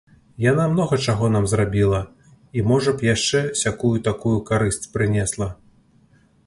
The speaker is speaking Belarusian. Яна многа чаго нам зрабіла і, можа б, яшчэ сякую-такую карысць прынесла.